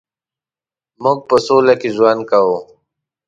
مونږ په سوله کې ژوند کوو